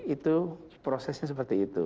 itu prosesnya seperti itu